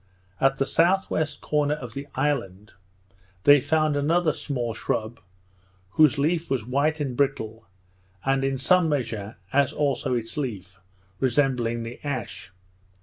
At the S.W. corner of the island, they found another small shrub, whose wood was white and brittle, and in some measure, as also its leaf, resembling the ash.